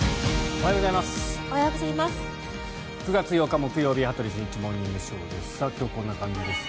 おはようございます。